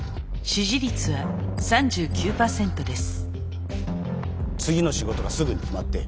支持率は３４％です。